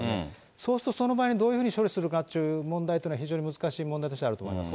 そうすると、そういう場合にどういうふうに処理するかっていう問題というのは、非常に難しい問題としてあると思います。